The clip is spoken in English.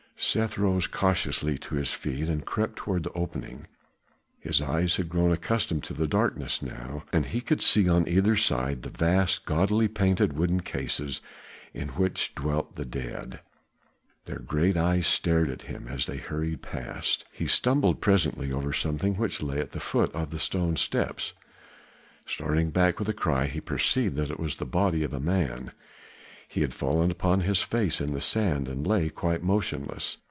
Seth rose cautiously to his feet and crept toward the opening; his eyes had grown accustomed to the darkness now, and he could see on either side the vast gaudily painted wooden cases in which dwelt the dead. Their great eyes stared at him as he hurried past. He stumbled presently over something which lay at the foot of the stone steps. Starting back with a cry he perceived that it was the body of a man. He had fallen upon his face in the sand and lay quite motionless.